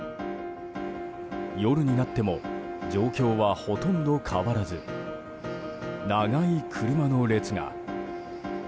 夜になっても状況はほとんど変わらず長い車の列が。